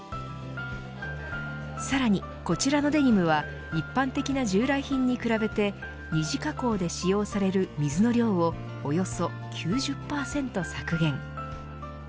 さらに、こちらのデニムは一般的な従来品に比べて２次加工で使用される水の量をおよそ９０％削減。